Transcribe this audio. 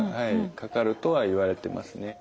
かかるとはいわれてますね。